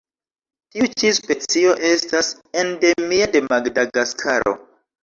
Tiu ĉi specio estas endemia de Madagaskaro.